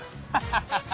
ハハハ！